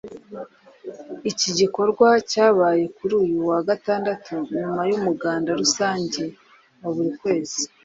Iki gikorwa cyabaye kuri uyu wa Gatandatu nyuma y’umuganda rusange wa buri kwezi